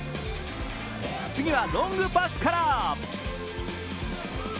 次はロングパスから！